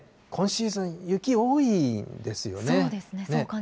今シーズン、雪、多いですよね。